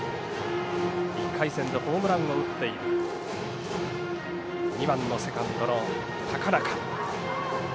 １回戦でホームランを打っている２番のセカンドの高中。